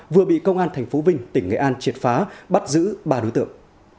vừa bị công an thành phố vinh tỉnh nghệ an triệt phá bắt giữ ba đối tượng